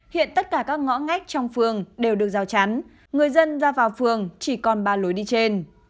hiện tất cả các ngõ ngách trong phường đều được rào chắn người dân ra vào phường chỉ còn ba lối đi trên